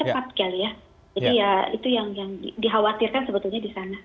jadi ya itu yang dikhawatirkan sebetulnya di sana